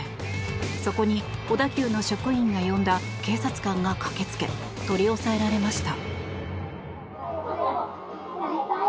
そこに、小田急の職員が呼んだ警察官が駆けつけ取り押さえられました。